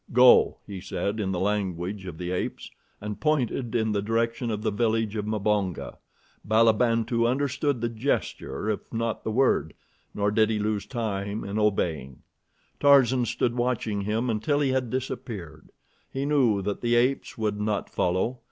"Go!" he said in the language of the apes, and pointed in the direction of the village of Mbonga. Bulabantu understood the gesture, if not the word, nor did he lose time in obeying. Tarzan stood watching him until he had disappeared. He knew that the apes would not follow.